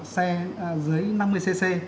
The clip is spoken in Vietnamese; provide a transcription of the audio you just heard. xe dưới năm mươi cc